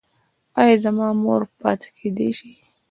ایا زما مور پاتې کیدی شي؟